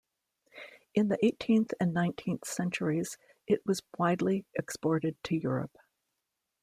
In the eighteenth and nineteenth centuries it was widely exported to Europe.